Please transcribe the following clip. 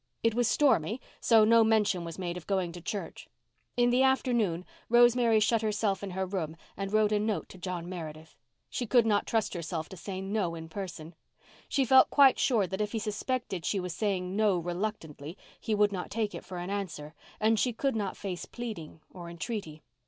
It was stormy, so no mention was made of going to church. In the afternoon Rosemary shut herself in her room and wrote a note to John Meredith. She could not trust herself to say "no" in person. She felt quite sure that if he suspected she was saying "no" reluctantly he would not take it for an answer, and she could not face pleading or entreaty.